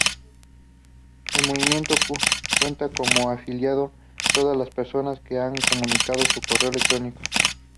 El movimiento cuenta como afiliados todas las personas que han comunicado su correo electrónico.